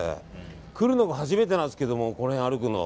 来るのが初めてなんですけどこの辺歩くの。